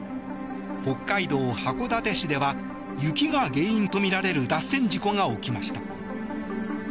北海道函館市では雪が原因とみられる脱線事故が起きました。